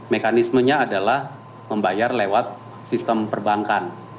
mekanismenya adalah membayar lewat sistem perbankan